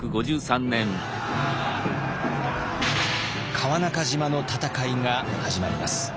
川中島の戦いが始まります。